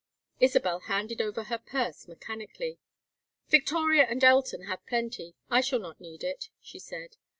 Isabel handed over her purse mechanically. "Victoria and Elton have plenty, I shall not need it," she said.